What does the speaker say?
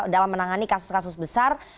dalam menangani kasus kasus besar